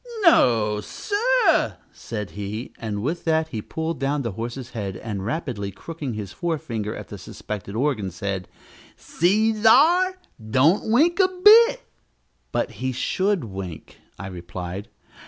"No, sir" said he, and with that he pulled down the horse's head, and, rapidly crooking his forefinger at the suspected organ, said, "see thar don't wink a bit." "But he should wink," I replied.